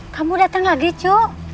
kamu datang lagi cu